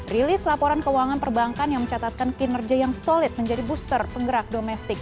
rilis laporan keuangan perbankan yang mencatatkan kinerja yang solid menjadi booster penggerak domestik